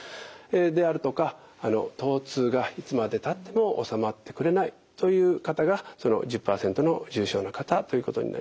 であるとかとう痛がいつまでたっても治まってくれないという方がその１０％の重症の方ということになります。